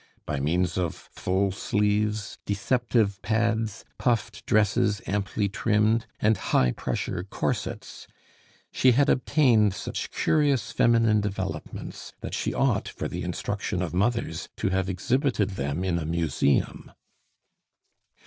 By means of full sleeves, deceptive pads, puffed dresses amply trimmed, and high pressure corsets, she had obtained such curious feminine developments that she ought, for the instruction of mothers, to have exhibited them in a museum.